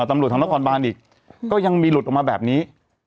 ตำรวจทางนครบานอีกก็ยังมีหลุดออกมาแบบนี้